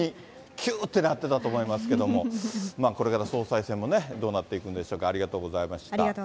きゅーってなってたと思いますけれども、まあ、これから総裁選もね、どうなっていくんでしょうか、ありがとうございました。